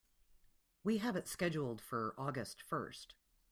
We have it scheduled for August first.